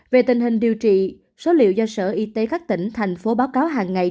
về tình hình điều trị số liệu do sở y tế các tỉnh thành phố báo cáo hàng ngày